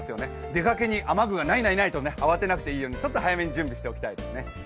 出かけに雨具がない、ないとならないようにちょっと早めに準備しておきたいですね。